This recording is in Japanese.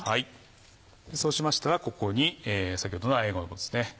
そうしましたらここに先ほどのあえ衣ですね。